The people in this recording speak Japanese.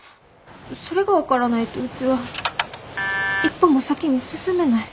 それが分からないとうちは一歩も先に進めない。